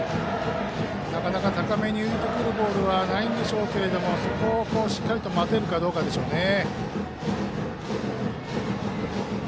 なかなか高めに浮いてくるボールはないんでしょうけどそこをしっかり待てるかどうかですね。